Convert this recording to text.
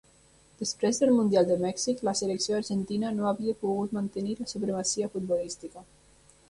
Després del Mundial de Mèxic, la selecció argentina no havia pogut mantenir la supremacia futbolística.